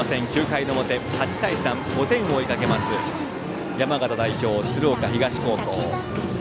９回の表８対３、５点を追いかけます山形代表、鶴岡東高校。